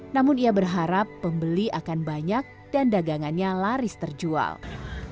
namun ia berharap pembeli akan banyak dan dagangannya laris terjual